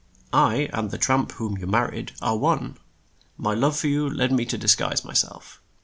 I and the tramp whom you mar ried are one. My love for you led me to dis guise my self.